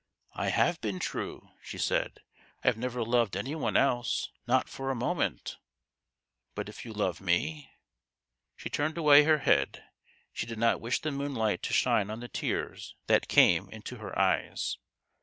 " I have been true," she said. " I have never loved any one else, not for a moment." "But if you love me?" She turned away her head. She did not wish the moonlight to shine on the tears that came into her eyes.